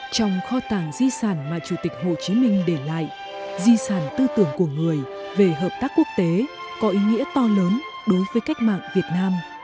trong kho tàng di sản mà chủ tịch hồ chí minh để lại di sản tư tưởng của người về hợp tác quốc tế có ý nghĩa to lớn đối với cách mạng việt nam